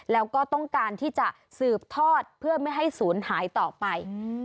แล้วก็ต้องการที่จะสืบทอดเพื่อไม่ให้ศูนย์หายต่อไป